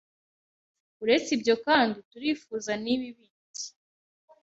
Uretse ibyo kandi turifuza nibi bindi